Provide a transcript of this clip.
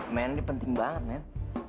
men ini penting banget men